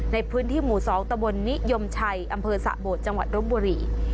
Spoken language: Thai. ในพื้นที่หมู่๒ตะบลนิยมชัยอำเภอสะโบดจังหวัดรบบุรี